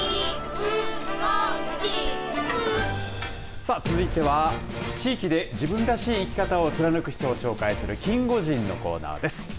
さあ続いては地域で自分らしい生き方を貫く人を紹介するキンゴジンのコーナーです。